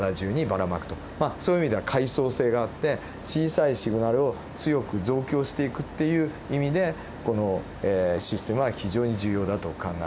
まあそういう意味では階層性があって小さいシグナルを強く増強していくっていう意味でこのシステムは非常に重要だと考えられています。